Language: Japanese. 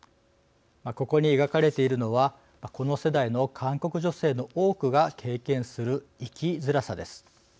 ここに描かれているのはこの世代の韓国女性の多くが経験する生きづらさです。